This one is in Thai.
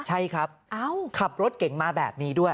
ใช่ครับขับรถเก่งมาแบบนี้ด้วย